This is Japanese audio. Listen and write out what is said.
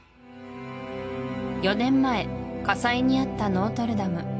４年前火災に遭ったノートルダム